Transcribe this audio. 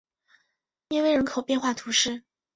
威涅人口变化图示